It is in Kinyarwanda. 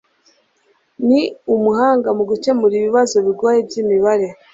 Ni umuhanga mu gukemura ibibazo bigoye byimibare.